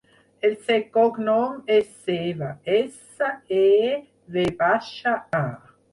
El seu cognom és Seva: essa, e, ve baixa, a.